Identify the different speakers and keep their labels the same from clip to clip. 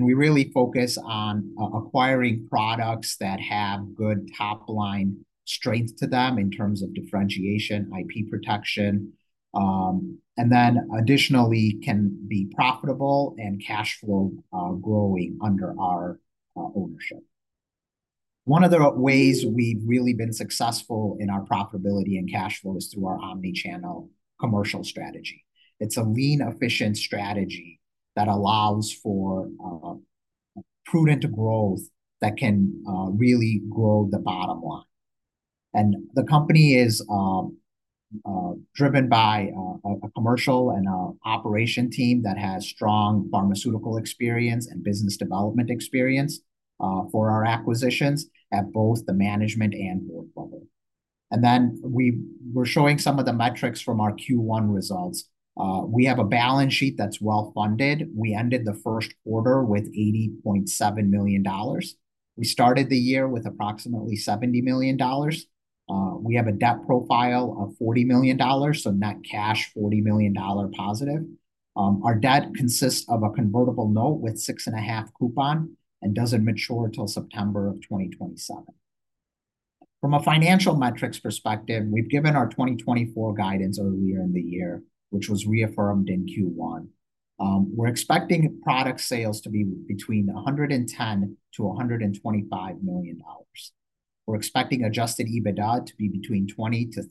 Speaker 1: We really focus on acquiring products that have good top-line strength to them in terms of differentiation, IP protection, and then additionally, can be profitable and cash flow growing under our ownership. One of the ways we've really been successful in our profitability and cash flow is through our omni-channel commercial strategy. It's a lean, efficient strategy that allows for prudent growth that can really grow the bottom line. The company is driven by a commercial and a operation team that has strong pharmaceutical experience and business development experience for our acquisitions at both the management and board level. We're showing some of the metrics from our Q1 results. We have a balance sheet that's well-funded. We ended the first quarter with $80.7 million. We started the year with approximately $70 million. We have a debt profile of $40 million, so net cash, $40 million positive. Our debt consists of a convertible note with 6.5% coupon, and doesn't mature until September 2027. From a financial metrics perspective, we've given our 2024 guidance earlier in the year, which was reaffirmed in Q1. We're expecting product sales to be between $110 million-$125 million. We're expecting adjusted EBITDA to be between $20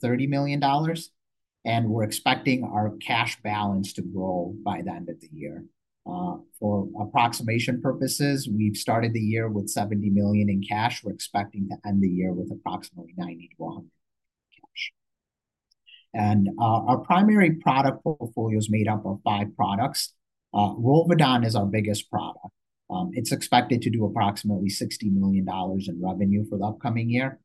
Speaker 1: million-$30 million, and we're expecting our cash balance to grow by the end of the year. For approximation purposes, we've started the year with $70 million in cash. We're expecting to end the year with approximately $90 million-$100 million cash. Our primary product portfolio is made up of five products. Rolvedon is our biggest product. It's expected to do approximately $60 million in revenue for the upcoming year.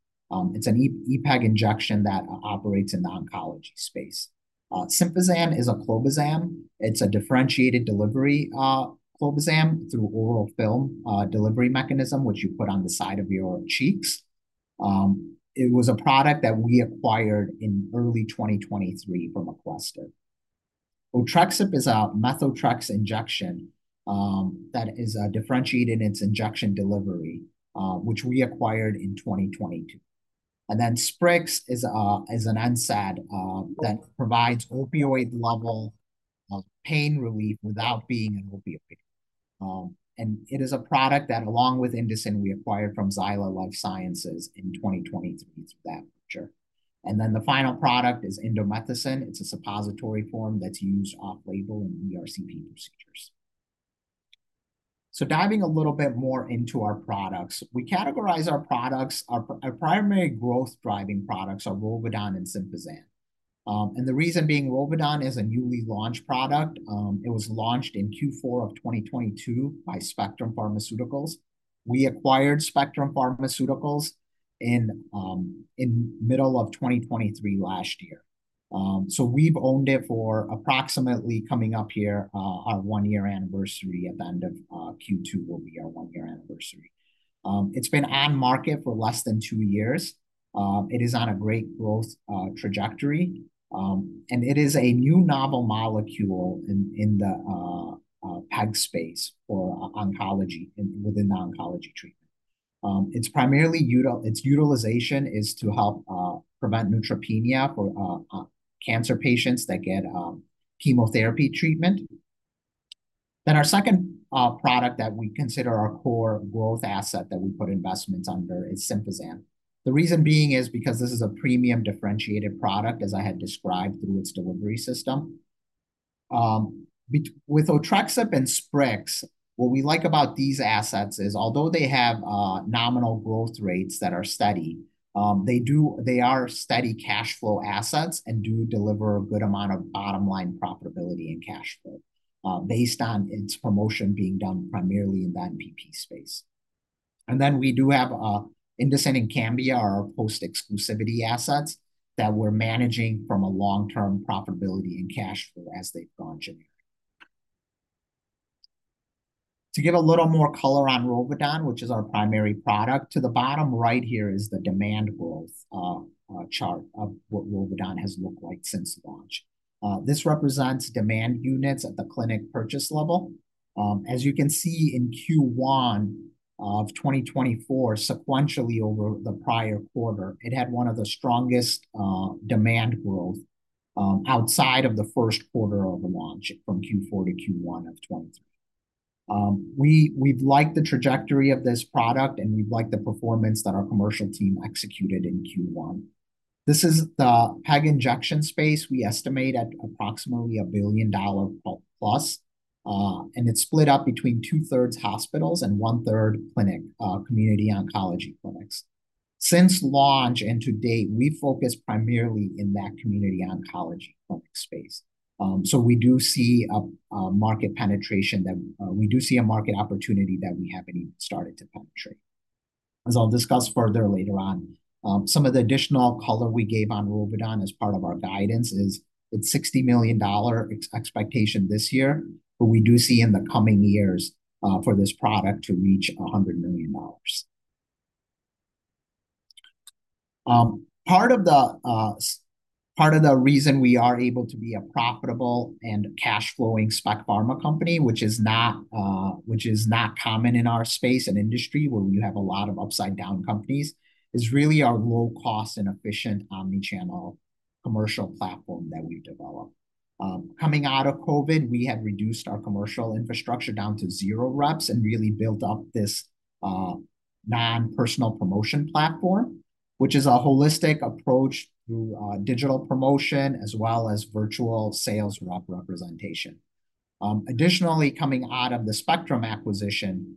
Speaker 1: It's a PEG injection that operates in the oncology space. Sympazan is a clobazam. It's a differentiated delivery clobazam through oral film delivery mechanism, which you put on the side of your cheeks. It was a product that we acquired in early 2023 from Aquestive. Otrexup is a methotrexate injection that is differentiated in its injection delivery, which we acquired in 2022. And then Sprix is an NSAID that provides opioid-level pain relief without being an opioid. And it is a product that, along with Indocin, we acquired from Zyla Life Sciences in 2023 through that merger. Then the final product is indomethacin. It's a suppository form that's used off-label in ERCP procedures. So diving a little bit more into our products, we categorize our products, our primary growth-driving products are Rolvedon and Sympazan. And the reason being, Rolvedon is a newly launched product. It was launched in Q4 of 2022 by Spectrum Pharmaceuticals. We acquired Spectrum Pharmaceuticals in middle of 2023 last year. So we've owned it for approximately, coming up here, our 1-year anniversary at the end of Q2 will be our 1-year anniversary. It's been on market for less than 2 years. It is on a great growth trajectory, and it is a new novel molecule in the PEG space for oncology and within the oncology treatment. It's primarily its utilization is to help prevent neutropenia for cancer patients that get chemotherapy treatment. Then our second product that we consider our core growth asset that we put investments under is Sympazan. The reason being is because this is a premium differentiated product, as I had described, through its delivery system. With Otrexup and Sprix, what we like about these assets is, although they have nominal growth rates that are steady, they are steady cash flow assets and do deliver a good amount of bottom-line profitability and cash flow based on its promotion being done primarily in the NPP space. And then we do have Indocin and Cambia, our post-exclusivity assets, that we're managing from a long-term profitability and cash flow as they've gone generic. To give a little more color on Rolvedon, which is our primary product, to the bottom right here is the demand growth chart of what Rolvedon has looked like since launch. This represents demand units at the clinic purchase level. As you can see in Q1 of 2024, sequentially over the prior quarter, it had one of the strongest demand growth outside of the first quarter of the launch from Q4 to Q1 of 2023. We've liked the trajectory of this product, and we've liked the performance that our commercial team executed in Q1. This is the PEG injection space we estimate at approximately $1 billion plus, and it's split up between two-thirds hospitals and one-third clinic community oncology clinics. Since launch and to date, we focus primarily in that community oncology clinic space. So we do see a market opportunity that we haven't even started to penetrate. As I'll discuss further later on, some of the additional color we gave on Rolvedon as part of our guidance is, it's $60 million expectation this year, but we do see in the coming years, for this product to reach $100 million. Part of the reason we are able to be a profitable and cash flowing spec pharma company, which is not common in our space and industry, where we have a lot of upside-down companies, is really our low cost and efficient omni-channel commercial platform that we've developed. Coming out of COVID, we had reduced our commercial infrastructure down to zero reps, and really built up this, non-personal promotion platform, which is a holistic approach to, digital promotion as well as virtual sales rep representation. Additionally, coming out of the Spectrum acquisition,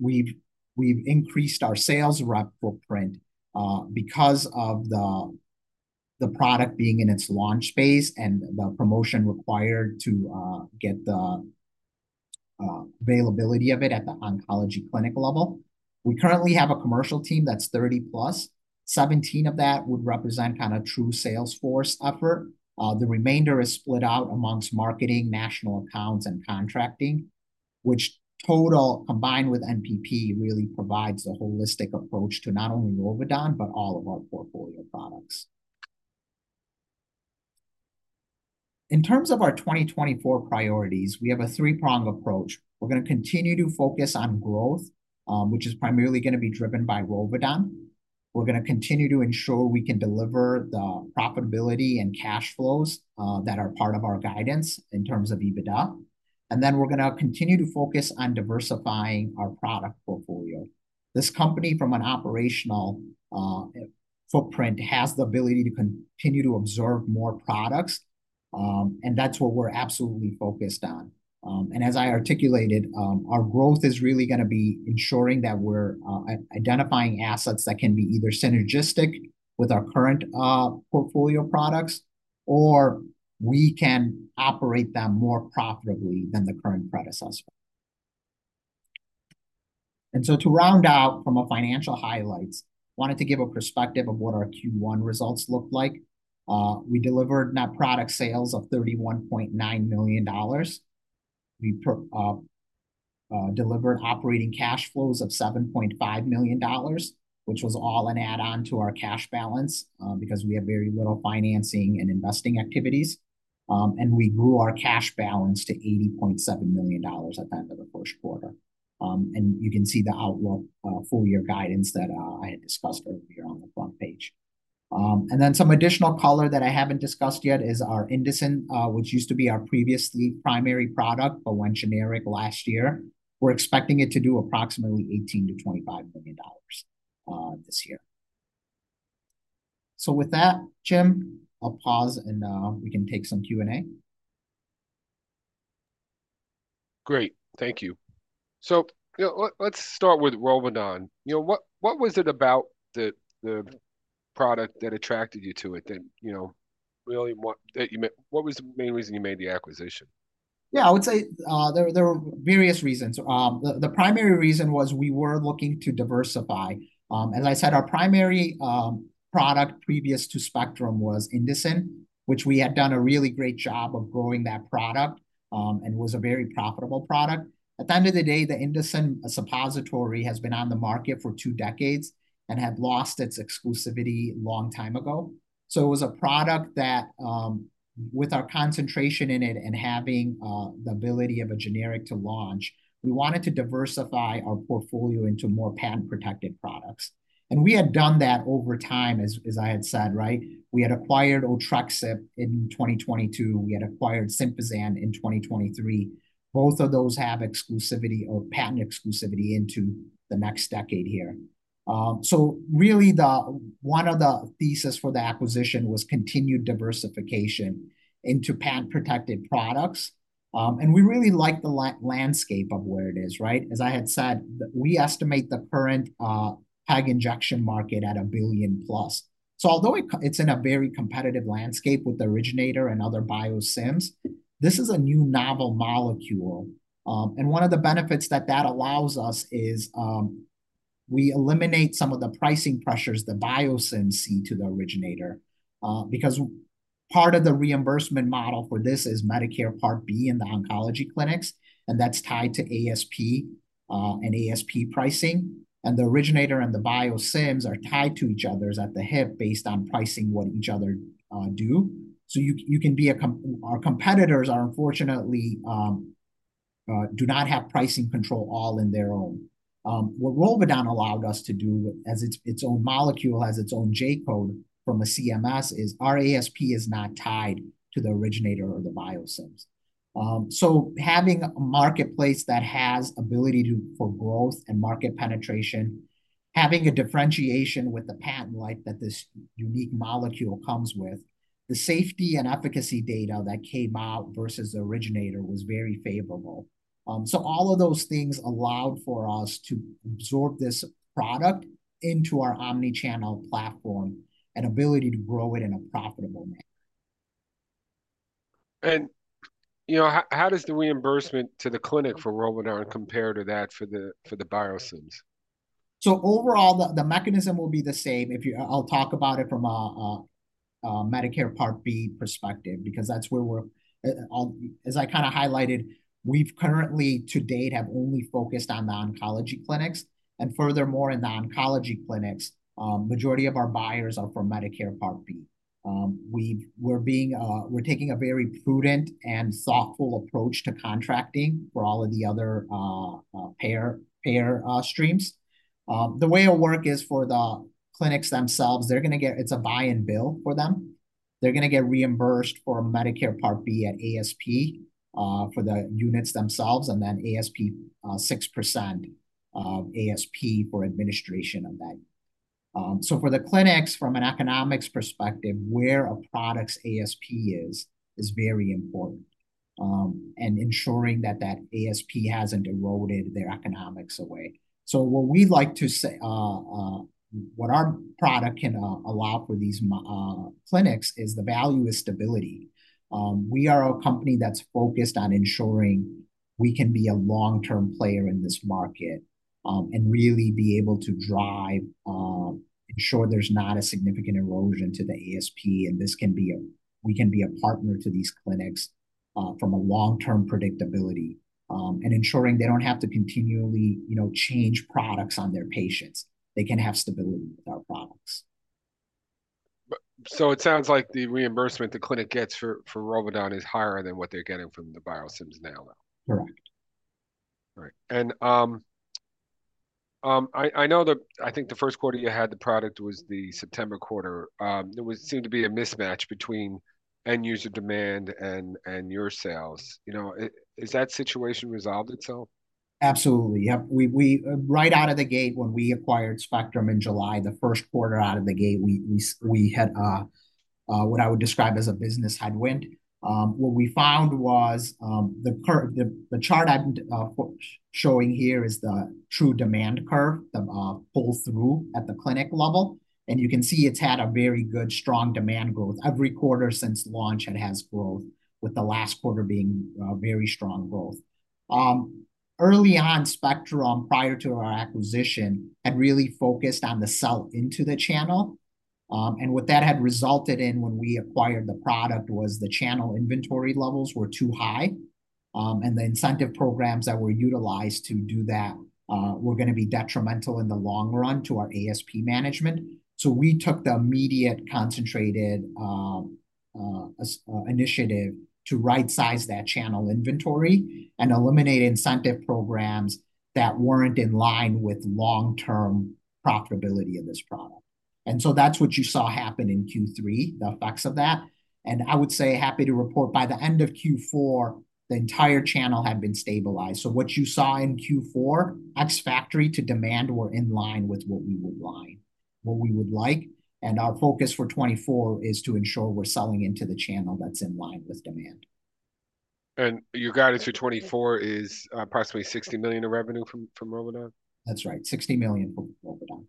Speaker 1: we've increased our sales rep footprint, because of the product being in its launch phase and the promotion required to get the availability of it at the oncology clinic level. We currently have a commercial team that's 30+. 17 of that would represent kinda true sales force effort. The remainder is split out amongst marketing, national accounts, and contracting, which total, combined with NPP, really provides a holistic approach to not only Rolvedon, but all of our portfolio products. In terms of our 2024 priorities, we have a three-prong approach. We're gonna continue to focus on growth, which is primarily gonna be driven by Rolvedon. We're gonna continue to ensure we can deliver the profitability and cash flows that are part of our guidance in terms of EBITDA, and then we're gonna continue to focus on diversifying our product portfolio. This company, from an operational footprint, has the ability to continue to absorb more products, and that's what we're absolutely focused on. And as I articulated, our growth is really gonna be ensuring that we're identifying assets that can be either synergistic with our current portfolio products, or we can operate them more profitably than the current predecessor. And so to round out from a financial highlights, wanted to give a perspective of what our Q1 results looked like. We delivered net product sales of $31.9 million. We delivered operating cash flows of $7.5 million, which was all an add-on to our cash balance, because we have very little financing and investing activities. We grew our cash balance to $80.7 million at the end of the first quarter. You can see the outlook, full year guidance that I had discussed earlier on the front page. Then some additional color that I haven't discussed yet is our Indocin, which used to be our previously primary product, but went generic last year. We're expecting it to do approximately $18 million-$25 million this year. With that, Jim, I'll pause and we can take some Q&A.
Speaker 2: Great. Thank you. So, you know, let's start with Rolvedon. You know, what was it about the product that attracted you to it that, you know, really what—that you ma... What was the main reason you made the acquisition?
Speaker 1: Yeah, I would say, there were various reasons. The primary reason was we were looking to diversify. As I said, our primary product previous to Spectrum was Indocin, which we had done a really great job of growing that product, and was a very profitable product. At the end of the day, the Indocin suppository has been on the market for two decades and had lost its exclusivity a long time ago. So it was a product that, with our concentration in it and having the ability of a generic to launch, we wanted to diversify our portfolio into more patent-protected products, and we had done that over time, as I had said, right? We had acquired Otrexup in 2022. We had acquired Sympazan in 2023. Both of those have exclusivity or patent exclusivity into the next decade here. So really, the one of the thesis for the acquisition was continued diversification into patent-protected products. And we really like the landscape of where it is, right? As I had said, we estimate the current PEG injection market at $1 billion plus. So although it's in a very competitive landscape with the originator and other biosims, this is a new novel molecule. And one of the benefits that that allows us is, we eliminate some of the pricing pressures the biosims see to the originator. Because part of the reimbursement model for this is Medicare Part B in the oncology clinics, and that's tied to ASP, and ASP pricing, and the originator and the biosims are tied to each other at the hip based on pricing what each other do. So our competitors are unfortunately do not have pricing control all in their own. What Rolvedon allowed us to do, as its own molecule, has its own J-code from CMS, is our ASP is not tied to the originator or the biosims. So having a marketplace that has ability to... for growth and market penetration, having a differentiation with the patent life that this unique molecule comes with, the safety and efficacy data that came out versus the originator, was very favorable. So all of those things allowed for us to absorb this product into our omni-channel platform, and ability to grow it in a profitable manner.
Speaker 2: You know, how does the reimbursement to the clinic for Rolvedon compare to that for the biosims?
Speaker 1: So overall, the mechanism will be the same. I'll talk about it from a Medicare Part B perspective, because that's where we're, as I kind of highlighted, we've currently to date have only focused on the oncology clinics. And furthermore, in the oncology clinics, majority of our buyers are from Medicare Part B. We're taking a very prudent and thoughtful approach to contracting for all of the other payer streams. The way it work is for the clinics themselves, they're gonna get. It's a buy and bill for them. They're gonna get reimbursed for Medicare Part B at ASP for the units themselves, and then ASP 6% of ASP for administration of that. So for the clinics, from an economics perspective, where a product's ASP is very important, and ensuring that that ASP hasn't eroded their economics away. So what we'd like to say, what our product can allow for these clinics, is the value is stability. We are a company that's focused on ensuring we can be a long-term player in this market, and really be able to ensure there's not a significant erosion to the ASP, and this can be a, we can be a partner to these clinics, from a long-term predictability. And ensuring they don't have to continually, you know, change products on their patients. They can have stability with our products.
Speaker 2: But so it sounds like the reimbursement the clinic gets for Rolvedon is higher than what they're getting from the biosims now, though?
Speaker 1: Correct. Right.
Speaker 2: And I know, I think the first quarter you had the product was the September quarter. There seemed to be a mismatch between end-user demand and your sales. You know, has that situation resolved itself?
Speaker 1: Absolutely. Yep, we right out of the gate, when we acquired Spectrum in July, the first quarter out of the gate, we had what I would describe as a business headwind. What we found was the chart I'm showing here is the true demand curve, the pull-through at the clinic level, and you can see it's had a very good, strong demand growth. Every quarter since launch, it has growth, with the last quarter being very strong growth. Early on, Spectrum, prior to our acquisition, had really focused on the sell into the channel. And what that had resulted in when we acquired the product was the channel inventory levels were too high, and the incentive programs that were utilized to do that were gonna be detrimental in the long run to our ASP management. So we took the immediate concentrated initiative to rightsize that channel inventory and eliminate incentive programs that weren't in line with long-term profitability of this product. And so that's what you saw happen in Q3, the effects of that. And I would say, happy to report, by the end of Q4, the entire channel had been stabilized. So what you saw in Q4, ex-factory to demand, were in line with what we would like, what we would like, and our focus for 2024 is to ensure we're selling into the channel that's in line with demand.
Speaker 2: Your guidance for 2024 is approximately $60 million of revenue from Rolvedon?
Speaker 1: That's right, $60 million for Rolvedon.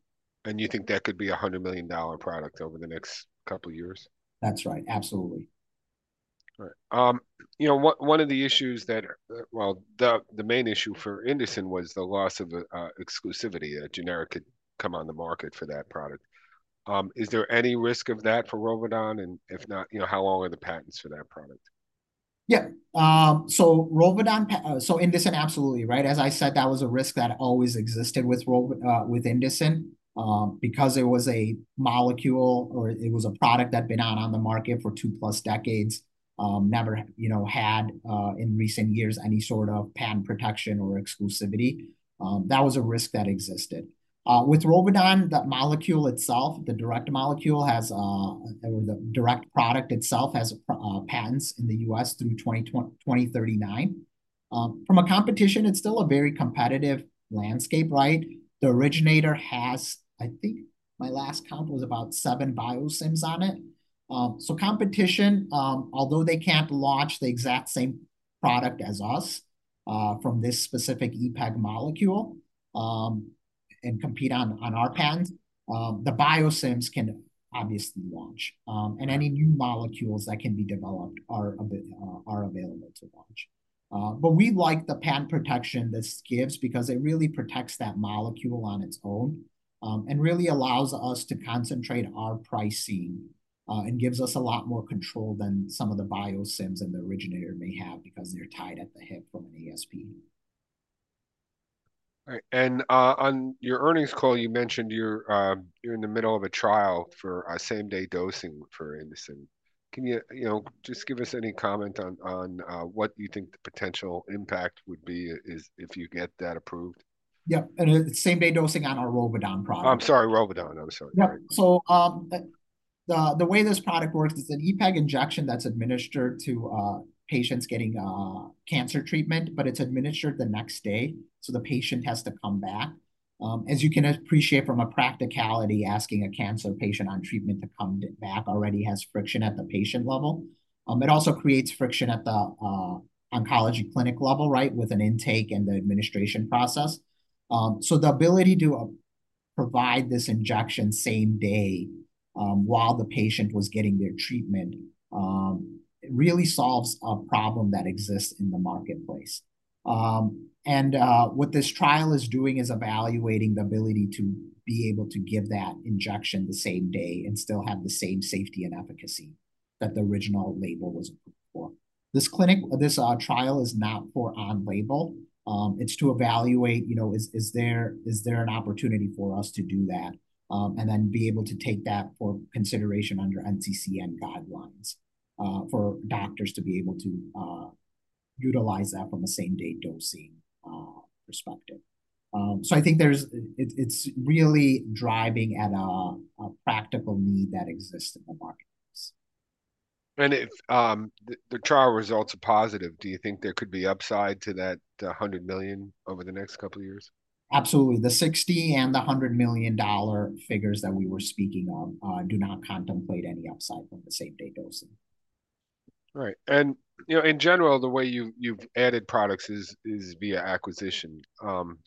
Speaker 2: You think that could be a $100 million product over the next couple of years?
Speaker 1: That's right. Absolutely.
Speaker 2: Right. You know, one of the issues that... Well, the main issue for Indocin was the loss of exclusivity. A generic had come on the market for that product. Is there any risk of that for Rolvedon? And if not, you know, how long are the patents for that product?
Speaker 1: Yeah. So Rolvedon, so Indocin, absolutely, right? As I said, that was a risk that always existed with Rolvedon, with Indocin. Because it was a molecule, or it was a product that'd been out on the market for 2+ decades, never, you know, had, in recent years, any sort of patent protection or exclusivity. That was a risk that existed. With Rolvedon, the molecule itself, the direct molecule, has, or the direct product itself, has, patents in the U.S. through 2039. From a competition, it's still a very competitive landscape, right? The originator has, I think my last count was about seven biosims on it. So competition, although they can't launch the exact same product as us, from this specific PEG molecule, and compete on our patents, the biosims can obviously launch. And any new molecules that can be developed are available to launch. But we like the patent protection this gives because it really protects that molecule on its own, and really allows us to concentrate our pricing, and gives us a lot more control than some of the biosims and the originator may have because they're tied at the hip from an ASP.
Speaker 2: All right. On your earnings call, you mentioned you're in the middle of a trial for same-day dosing for Indocin. Can you, you know, just give us any comment on what you think the potential impact would be if you get that approved?
Speaker 1: Yep. It's same-day dosing on our Rolvedon product.
Speaker 2: I'm sorry, Rolvedon. I'm sorry.
Speaker 1: Yep. So, the way this product works is a PEG injection that's administered to patients getting cancer treatment, but it's administered the next day, so the patient has to come back. As you can appreciate from a practicality, asking a cancer patient on treatment to come back already has friction at the patient level. It also creates friction at the oncology clinic level, right, with an intake and the administration process. So the ability to provide this injection same day, while the patient was getting their treatment, really solves a problem that exists in the marketplace. And what this trial is doing is evaluating the ability to be able to give that injection the same day and still have the same safety and efficacy that the original label was approved for. This clinic, or this trial, is not for on-label. It's to evaluate, you know, is there an opportunity for us to do that, and then be able to take that for consideration under NCCN guidelines, for doctors to be able to utilize that from a same-day dosing perspective. So I think there's, it's really driving at a practical need that exists in the marketplace.
Speaker 2: If the trial results are positive, do you think there could be upside to that $100 million over the next couple of years?
Speaker 1: Absolutely. The $60 million and the $100 million figures that we were speaking on do not contemplate any upside from the same-day dosing.
Speaker 2: Right. You know, in general, the way you've added products is via acquisition.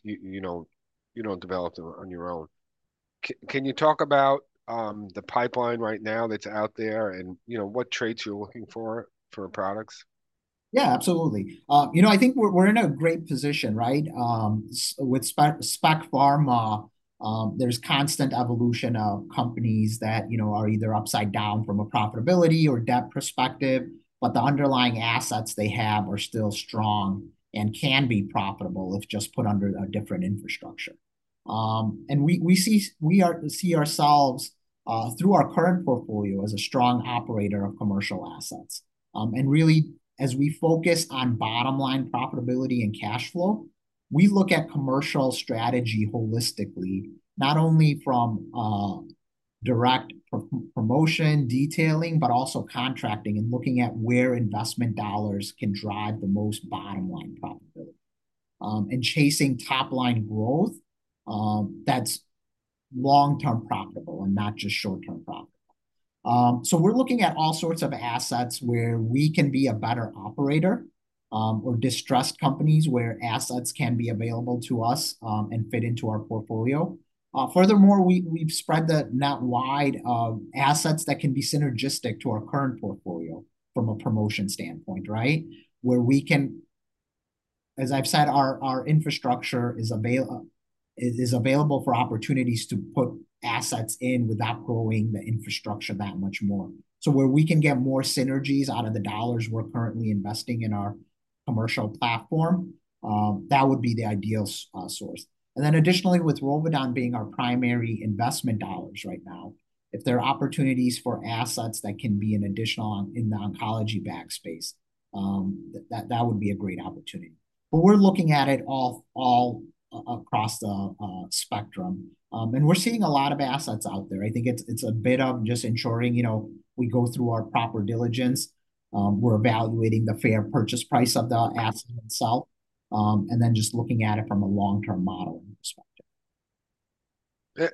Speaker 2: You don't develop them on your own. Can you talk about the pipeline right now that's out there and, you know, what traits you're looking for products?
Speaker 1: Yeah, absolutely. You know, I think we're, we're in a great position, right? With Spectrum Pharma, there's constant evolution of companies that, you know, are either upside down from a profitability or debt perspective, but the underlying assets they have are still strong and can be profitable if just put under a different infrastructure. And we see ourselves through our current portfolio as a strong operator of commercial assets. And really, as we focus on bottom line profitability and cash flow, we look at commercial strategy holistically, not only from direct promotion detailing, but also contracting and looking at where investment dollars can drive the most bottom-line profitability. And chasing top-line growth, that's long-term profitable and not just short-term profitable. So we're looking at all sorts of assets where we can be a better operator, or distressed companies where assets can be available to us, and fit into our portfolio. Furthermore, we've spread the net wide of assets that can be synergistic to our current portfolio from a promotion standpoint, right? Where we can, as I've said, our infrastructure is available for opportunities to put assets in without growing the infrastructure that much more So where we can get more synergies out of the dollars we're currently investing in our commercial platform, that would be the ideal source. And then additionally, with Rolvedon being our primary investment dollars right now, if there are opportunities for assets that can be an additional one in the oncology space, that would be a great opportunity. But we're looking at it all across the spectrum. And we're seeing a lot of assets out there. I think it's a bit of just ensuring, you know, we go through our proper diligence, we're evaluating the fair purchase price of the asset itself, and then just looking at it from a long-term modeling perspective.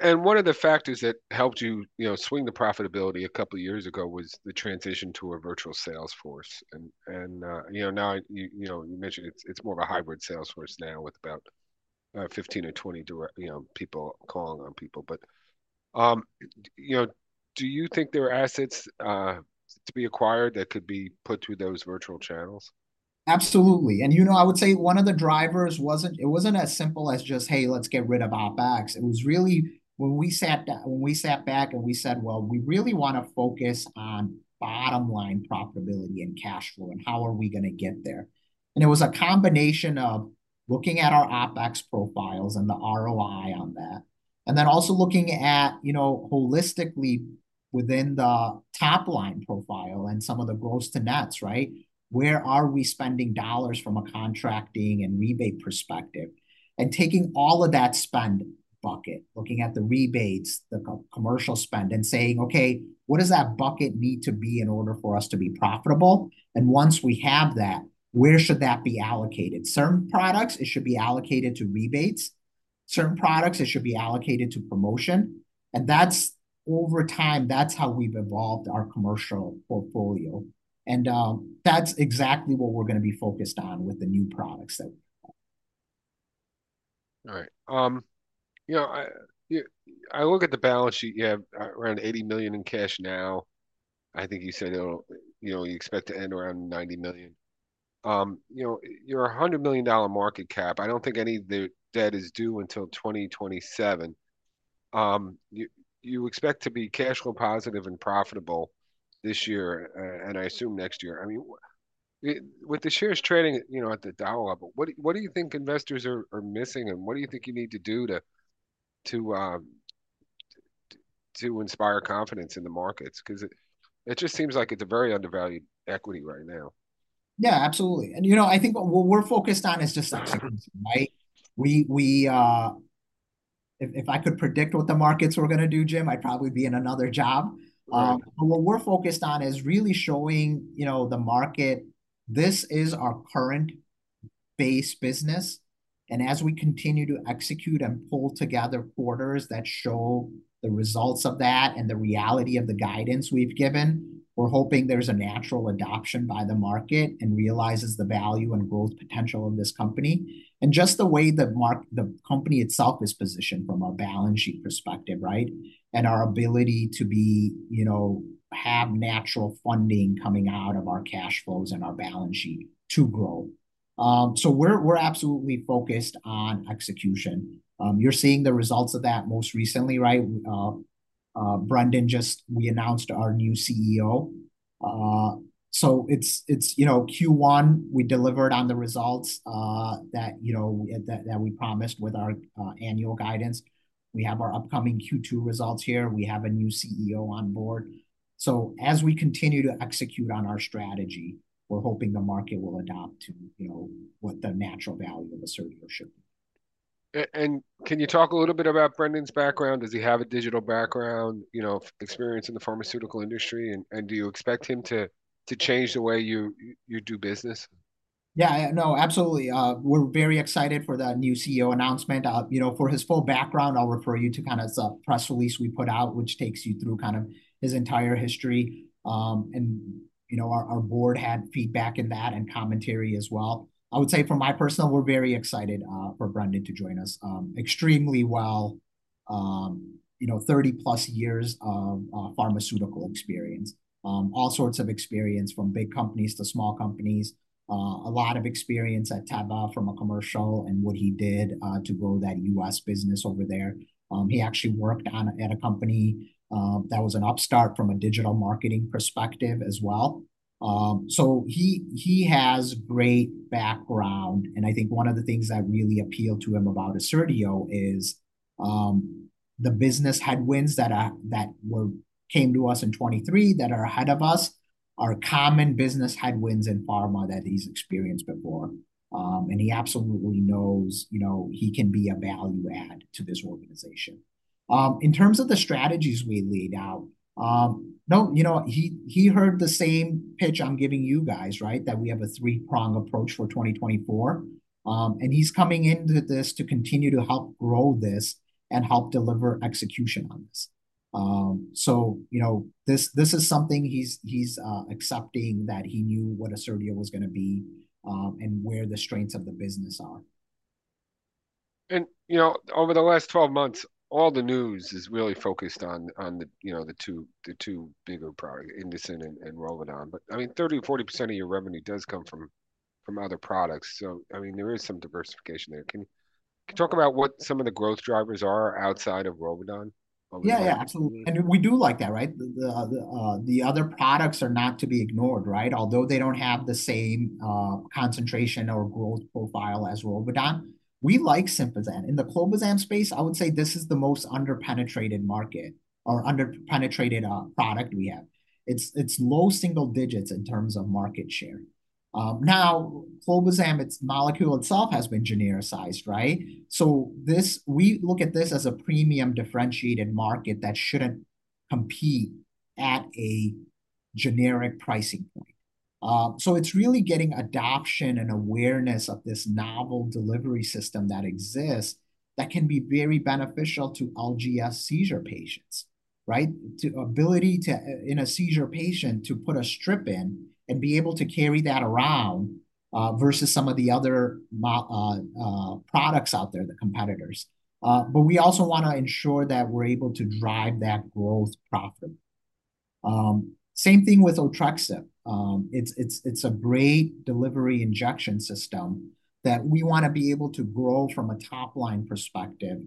Speaker 2: And one of the factors that helped you, you know, swing the profitability a couple of years ago was the transition to a virtual sales force. And you know, now you know, you mentioned it's more of a hybrid sales force now, with about 15 or 20 direct, you know, people calling on people. But you know, do you think there are assets to be acquired that could be put through those virtual channels?
Speaker 1: Absolutely. And, you know, I would say one of the drivers wasn't- it wasn't as simple as just, "Hey, let's get rid of OpEx." It was really when we sat down- when we sat back and we said, "Well, we really wanna focus on bottom line profitability and cash flow, and how are we gonna get there?" And it was a combination of looking at our OpEx profiles and the ROI on that, and then also looking at, you know, holistically within the top-line profile and some of the gross to nets, right? Where are we spending dollars from a contracting and rebate perspective? And taking all of that spend bucket, looking at the rebates, the co-commercial spend, and saying, "Okay, what does that bucket need to be in order for us to be profitable? Once we have that, where should that be allocated? Certain products, it should be allocated to rebates. Certain products, it should be allocated to promotion. And that's, over time, that's how we've evolved our commercial portfolio, and that's exactly what we're gonna be focused on with the new products that we have.
Speaker 2: All right. You know, I look at the balance sheet, you have around $80 million in cash now. I think you said, you know, you expect to end around $90 million. You know, you're a $100 million market cap. I don't think any of the debt is due until 2027. You expect to be cash flow positive and profitable this year, and I assume next year. I mean, with the shares trading, you know, at the dollar level, what do you think investors are missing, and what do you think you need to do to inspire confidence in the markets? Because it just seems like it's a very undervalued equity right now.
Speaker 1: Yeah, absolutely. And, you know, I think what we're focused on is just execution, right? If I could predict what the markets were gonna do, Jim, I'd probably be in another job.
Speaker 2: Right.
Speaker 1: What we're focused on is really showing, you know, the market this is our current base business, and as we continue to execute and pull together quarters that show the results of that and the reality of the guidance we've given, we're hoping there's a natural adoption by the market and realizes the value and growth potential of this company, and just the way the company itself is positioned from a balance sheet perspective, right? And our ability to be, you know, have natural funding coming out of our cash flows and our balance sheet to grow. So we're absolutely focused on execution. You're seeing the results of that most recently, right? Brendan just. We announced our new CEO. So it's, you know, Q1, we delivered on the results that you know that we promised with our annual guidance. We have our upcoming Q2 results here, and we have a new CEO on board. So as we continue to execute on our strategy, we're hoping the market will adopt to, you know, what the natural value of Assertio should be.
Speaker 2: Can you talk a little bit about Brendan's background? Does he have a digital background, you know, experience in the pharmaceutical industry, and do you expect him to change the way you do business?
Speaker 1: Yeah, no, absolutely. We're very excited for the new CEO announcement. You know, for his full background, I'll refer you to kind of the press release we put out, which takes you through kind of his entire history. And, you know, our board had feedback in that and commentary as well. I would say from my personal, we're very excited for Brendan to join us. Extremely well, you know, 30+ years of pharmaceutical experience. All sorts of experience, from big companies to small companies. A lot of experience at Teva from a commercial and what he did to grow that U.S. business over there. He actually worked at a company that was an upstart from a digital marketing perspective as well. So he has great background, and I think one of the things that really appealed to him about Assertio is the business headwinds that came to us in 2023, that are ahead of us, are common business headwinds in pharma that he's experienced before. And he absolutely knows, you know, he can be a value add to this organization. In terms of the strategies we laid out, no, you know, he heard the same pitch I'm giving you guys, right? That we have a three-prong approach for 2024. And he's coming into this to continue to help grow this and help deliver execution on this. So, you know, this is something he's accepting, that he knew what Assertio was gonna be, and where the strengths of the business are.
Speaker 2: You know, over the last 12 months, all the news is really focused on, on the, you know, the two, the two bigger products, Indocin and, and Rolvedon. But, I mean, 30%-40% of your revenue does come from, from other products, so, I mean, there is some diversification there. Can you talk about what some of the growth drivers are outside of Rolvedon?
Speaker 1: Yeah, yeah, absolutely. And we do like that, right? The other products are not to be ignored, right? Although they don't have the same concentration or growth profile as Rolvedon, we like Sympazan. In the clobazam space, I would say this is the most under-penetrated market or under-penetrated product we have. It's low single digits in terms of market share. Now, clobazam, its molecule itself, has been genericized, right? So this... We look at this as a premium differentiated market that shouldn't compete at a generic pricing point. So it's really getting adoption and awareness of this novel delivery system that exists that can be very beneficial to LGS seizure patients, right? The ability to, in a seizure patient, to put a strip in and be able to carry that around, versus some of the other products out there, the competitors. But we also wanna ensure that we're able to drive that growth profit. Same thing with Otrexup. It's a great delivery injection system that we wanna be able to grow from a top-line perspective,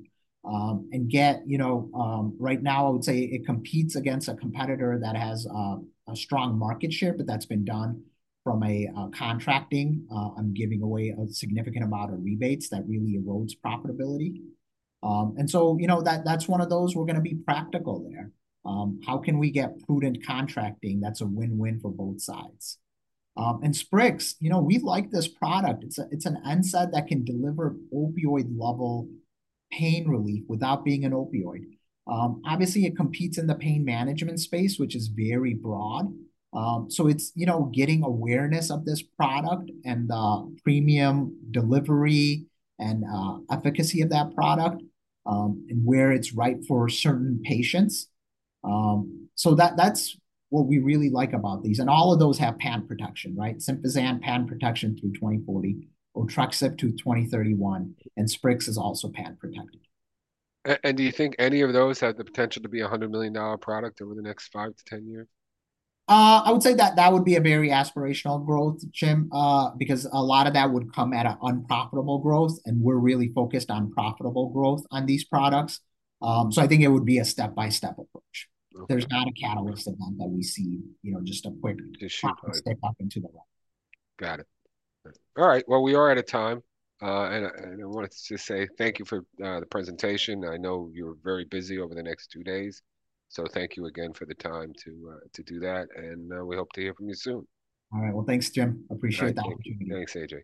Speaker 1: and get, you know... Right now, I would say it competes against a competitor that has a strong market share, but that's been done from a contracting, and giving away a significant amount of rebates that really erodes profitability. And so, you know, that, that's one of those we're gonna be practical there. How can we get prudent contracting that's a win-win for both sides? And Sprix, you know, we like this product. It's a, it's an NSAID that can deliver opioid-level pain relief without being an opioid. Obviously, it competes in the pain management space, which is very broad. So it's, you know, getting awareness of this product and premium delivery and efficacy of that product, and where it's right for certain patients. So that, that's what we really like about these, and all of those have patent protection, right? Sympazan, patent protection through 2040, Otrexup through 2031, and Sprix is also patent protected.
Speaker 2: Do you think any of those have the potential to be a $100 million product over the next 5-10 years?
Speaker 1: I would say that that would be a very aspirational growth, Jim, because a lot of that would come at a unprofitable growth, and we're really focused on profitable growth on these products. So I think it would be a step-by-step approach. There's not a catalyst event that we see, you know, just a quick-step up into the left.
Speaker 2: Got it. All right, well, we are out of time, and I wanted to say thank you for the presentation. I know you're very busy over the next two days, so thank you again for the time to do that, and we hope to hear from you soon.
Speaker 1: All right. Well, thanks, Jim. I appreciate the opportunity.
Speaker 2: Thanks, Ajay.